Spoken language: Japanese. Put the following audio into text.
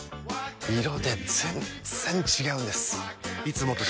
色で全然違うんです！